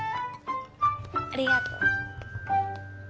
ありがとう。